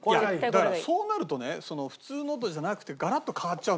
だからそうなるとね普通のじゃなくてガラッと変わっちゃうんだよね。